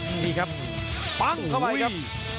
นี่ครับปั้งเข้าไปครับ